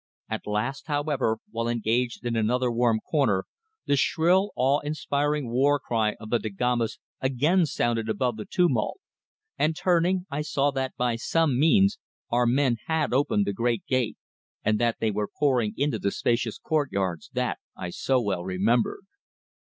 At last, however, while engaged in another warm corner, the shrill, awe inspiring war cry of the Dagombas again sounded above the tumult, and turning, I saw that by some means our men had opened the great gate, and that they were pouring into the spacious courtyards that I so well remembered.